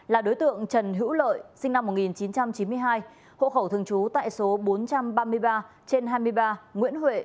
là đối tượng trần hữu lợi sinh năm một nghìn chín trăm chín mươi hai hộ khẩu thường trú tại số bốn trăm ba mươi ba trên hai mươi ba nguyễn huệ